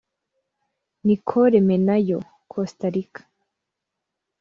Nicole Menayo [Costa Rica]